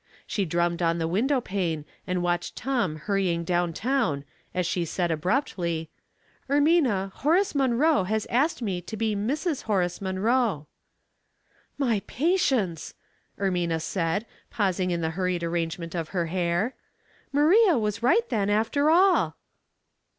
She drummed on the window pane and watched Tom hurrying down town, as she said, abruptly, — "Ermina, Horace Munroe has asked me to be Mrs. Horace Munroe." " My patience !" Ermina said, pausing in the hurried arrangement of her hair. " Maria was right then, after all."